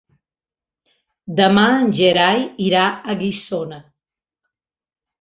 Demà en Gerai irà a Guissona.